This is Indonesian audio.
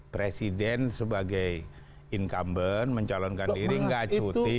presiden sebagai incumbent mencalonkan diri nggak cuti